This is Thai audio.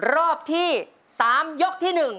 รอบที่๓ยกที่๑